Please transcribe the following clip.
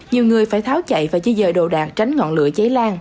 nhiều người phải tháo chạy và chia dời đồ đạc tránh ngọn lửa cháy lan